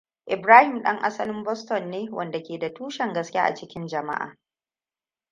Ibrahim ɗan asalin Boston ne wanda ke da tushen gaske a cikin jama'a.